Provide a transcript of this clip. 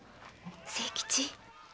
清吉。